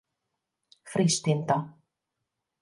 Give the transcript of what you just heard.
Friss tinta!